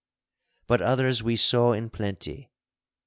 But others we saw in plenty.